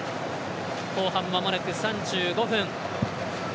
後半、まもなく３５分。